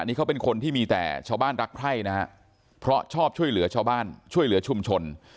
นี่เขาเป็นคนที่มีแต่ชาวบ้านรักใคร่นะฮะเพราะชอบช่วยเหลือชาวบ้านช่วยเหลือชุมชน